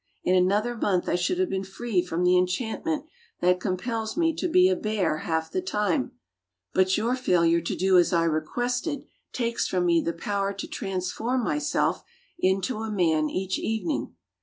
In another month I should have been free from the enchant ment that compels me to be a bear half the time. But your failure to do as I requested takes from me the power to transform my self into a man each evening.